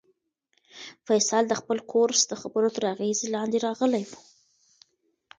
فیصل د خپل کورس د خبرو تر اغېز لاندې راغلی و.